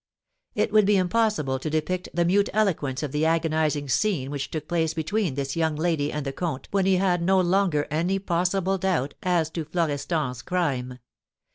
It would be impossible to depict the mute eloquence of the agonising scene which took place between this young lady and the comte when he had no longer any possible doubt as to Florestan's crime.